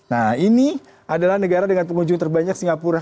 nah ini adalah negara dengan pengunjung terbanyak singapura